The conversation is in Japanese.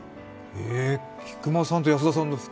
菊間さんと安田さんの服